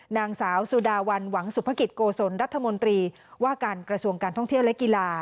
นางสาวสุดาวันหวังสุภกิจโกศลรัฐมนตรีว่าการกระทรวงการท่องเที่ยวและกีฬา